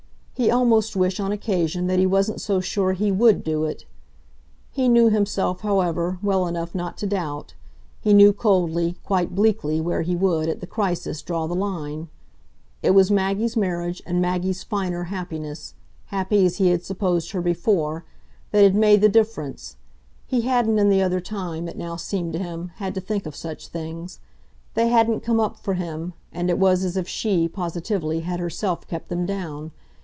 He almost wished, on occasion, that he wasn't so sure he WOULD do it. He knew himself, however, well enough not to doubt: he knew coldly, quite bleakly, where he would, at the crisis, draw the line. It was Maggie's marriage and Maggie's finer happiness happy as he had supposed her before that had made the difference; he hadn't in the other time, it now seemed to him, had to think of such things. They hadn't come up for him, and it was as if she, positively, had herself kept them down.